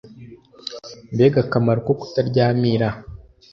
mbega akamaro ko kuta ryamira